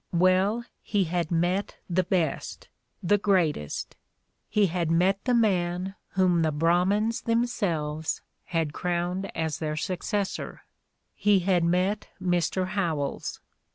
Well, he had met the best, the great est, he had met the man whom the Brahmins them selves had crowned as their successor, he had met Mr. Howells.